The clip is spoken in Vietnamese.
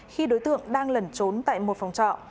khi đối tượng đang lẩn trốn tại một phòng trọ